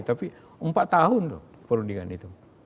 tapi empat tahun loh perundingan itu